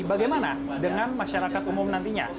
bagaimana dengan masyarakat umum nantinya